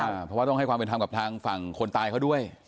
เพราะว่าต้องให้ความเป็นธรรมกับทางฝั่งคนตายเขาด้วย